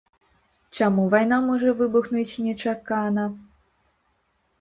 Чаму вайна можа выбухнуць нечакана?